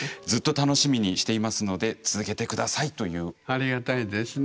ありがたいですね。